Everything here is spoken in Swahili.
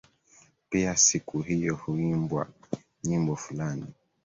Pia siku hiyo huimbwa nyimbo fulani